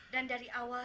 dan dari awal